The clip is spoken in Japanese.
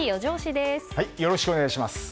よろしくお願いします。